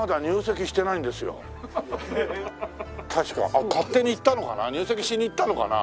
あっ勝手に行ったのかな？